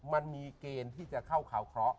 มันมีเกณฑ์ที่จะเข้าข่าวเคราะห